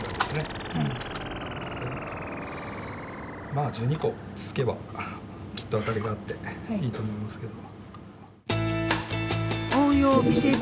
まあ１２個つつけばきっと当たりがあっていいと思いますけど。